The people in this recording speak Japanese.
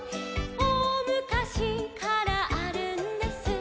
「おおむかしからあるんです」